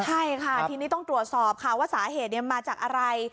ใช่ค่ะทีนี้ต้องตรวจสอบค่ะว่าสาเหตุมาจากอะไร